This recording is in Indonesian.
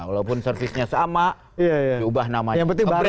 walaupun servisnya sama diubah namanya